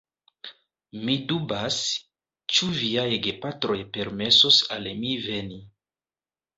Mi dubas, ĉu viaj gepatroj permesos al mi veni.